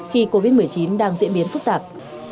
khi covid một mươi chín đang diễn biến phức tạp